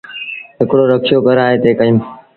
هڪڙو رڪشو ڪرئي تي ڪيٚم ۔